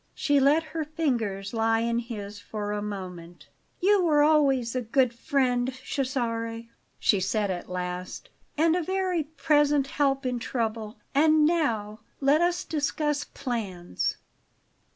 She let her fingers lie in his for a moment. "You were always a good friend, Cesare," she said at last; "and a very present help in trouble. And now let us discuss plans."